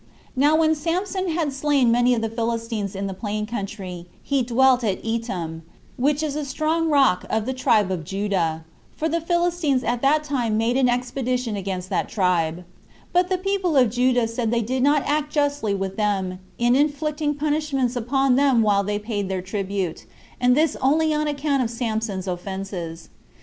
8. Now when Samson had slain many of the Philistines in the plain country, he dwelt at Etam, which is a strong rock of the tribe of Judah; for the Philistines at that time made an expedition against that tribe: but the people of Judah said that they did not act justly with them, in inflicting punishments upon them while they paid their tribute, and this only on account of Samson's offenses.